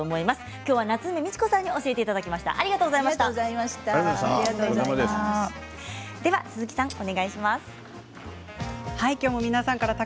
夏梅美智子さんに教えていただきました。